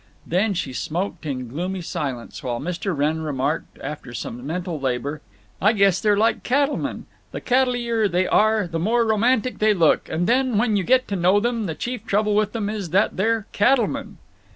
Then she smoked in gloomy silence, while Mr. Wrenn remarked, after some mental labor, "I guess they're like cattlemen—the cattle ier they are, the more romantic they look, and then when you get to know them the chief trouble with them is that they're cattlemen."